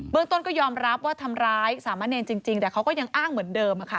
เรื่องต้นก็ยอมรับว่าทำร้ายสามะเนรจริงแต่เขาก็ยังอ้างเหมือนเดิมค่ะ